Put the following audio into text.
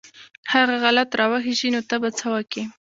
هغه غلط راوخېژي نو ته به څه وکې.